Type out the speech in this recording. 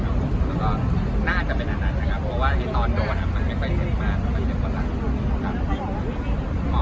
แล้วก็น่าก็จะเป็นนั้นนะครับก็ว่านี่ตอนโดนมันไม่ค่อยเซ็บมาก